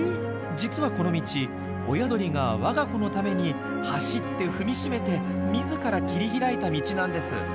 実はこの道親鳥が我が子のために走って踏みしめて自ら切り開いた道なんです。